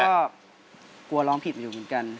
ก็กลัวร้องผิดอยู่เหมือนกัน